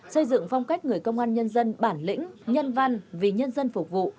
xây dựng phong cách người công an nhân dân bản lĩnh nhân văn vì nhân dân phục vụ